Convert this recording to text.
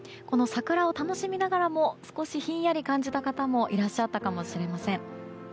この桜を楽しみながらも少しひんやり感じた方もいらっしゃったかもしれません。